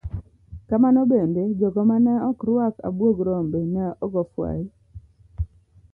Kamano bende, jogo mane ok ruak abuog rombe ne ogo fwai.